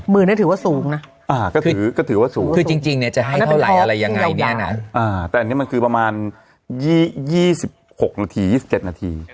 มือนี่ถือว่าสูงนะคือจริงเนี่ยจะให้เท่าไหร่อะไรยังไงแน่นั้นแต่อันนี้มันคือประมาณ๒๖๒๗นาที